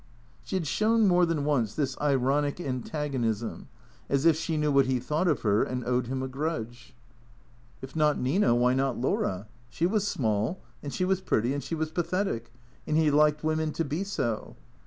She had shown, more than once, this ironic antagonism, as if she knew what he thought of her, and owed him a grudge. 60 THECREATOES If not Nina, why not Laura? She was small and she was pretty and she was pathetic, and he liked women to be so.